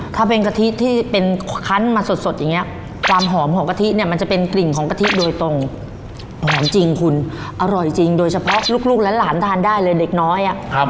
ถ้าเป็นกะทิที่เป็นคันมาสดอย่างนี้ความหอมของกะทิเนี่ยมันจะเป็นกลิ่นของกะทิโดยตรงหอมจริงคุณอร่อยจริงโดยเฉพาะลูกและหลานทานได้เลยเด็กน้อยอ่ะ